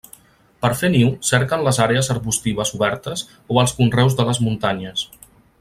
Per fer niu cerquen les àrees arbustives obertes o els conreus de les muntanyes.